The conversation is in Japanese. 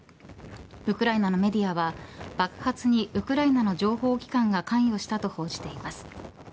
ウクライナのメディアは爆発にウクライナの情報機関が関与したと報じています。